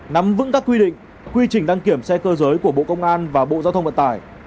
nắm vững các quy định quy trình đăng kiểm xe cơ giới của bộ công an và bộ giao thông vận tải